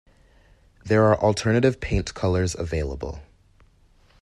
There are alternative paint colours available.